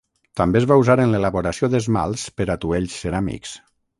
També es va usar en l'elaboració d'esmalts per atuells ceràmics.